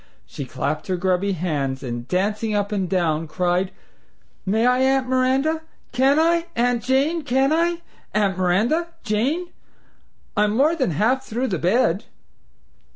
She clapped her grubby hands, and dancing up and down, cried: "May I, Aunt Miranda can I, Aunt Jane can I, Aunt Miranda Jane? I'm more than half through the bed."